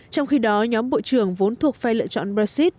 trong khi đó nhóm bộ trưởng vốn thuộc vai lựa chọn brexit